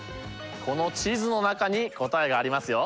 この地図の中に答えがありますよ。